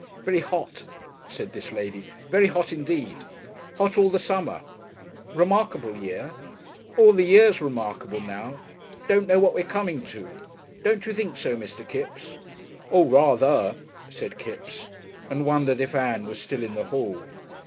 "Very hot," said this lady. "Very hot, indeed hot all the summer remarkable year all the years remarkable now don't know what we're coming to don't you think so, Mr. Kipps?" "Oo rather," said Kipps, and wondered if Ann was still in the hall.